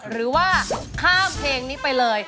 หรือว่าข้ามเพลงนี้ไปเลย